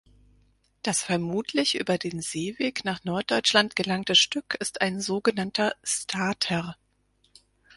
Das vermutlich über den Seeweg nach Norddeutschland gelangte Stück ist ein sogenannter Stater.